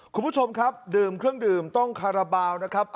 คุณผู้ชมครับดื่มเครื่องดื่มต้องคาราบาลนะครับ